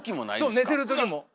そう寝てる時も！